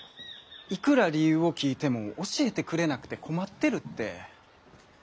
いくら理由を聞いても教えてくれなくて困ってるって。